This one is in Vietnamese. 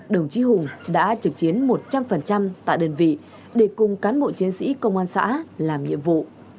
đồng chí hùng đã trực chiến một trăm linh tại đơn vị để cùng cán bộ chiến sĩ công an xã làm nhiệm vụ